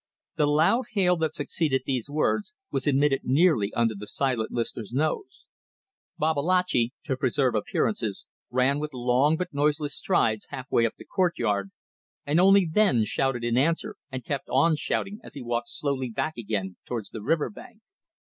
The loud hail that succeeded these words was emitted nearly under the silent listener's nose. Babalatchi, to preserve appearances, ran with long but noiseless strides halfway up the courtyard, and only then shouted in answer and kept on shouting as he walked slowly back again towards the river bank.